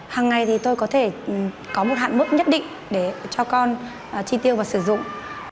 hằng ngày thì tôi có thể có một hạn mức nhất định để cho con chi tiêu và sử dụng